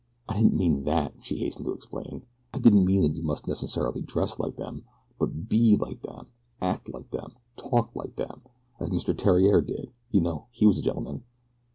"I didn't mean that," she hastened to explain. "I didn't mean that you must necessarily dress like them; but BE like them act like them talk like them, as Mr. Theriere did, you know. He was a gentleman."